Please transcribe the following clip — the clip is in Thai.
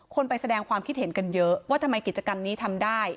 ไปแสดงความคิดเห็นกันเยอะว่าทำไมกิจกรรมนี้ทำได้